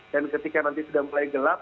dan ketika nanti sudah mulai gelap